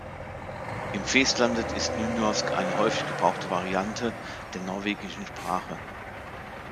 Im Vestlandet ist Nynorsk eine häufig gebrauchte Variante der norwegischen Sprache.